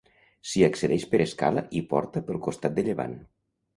S'hi accedeix per escala i porta pel costat de llevant.